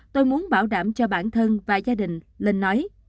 tôi muốn bảo đảm cho bản thân và gia đình lên nói